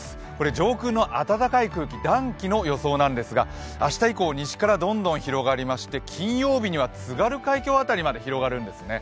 上空の暖かい空気、暖気の予想なんですが、明日以降、西からどんどん広がりまして、金曜日には津軽海峡辺りまで広がるんですね。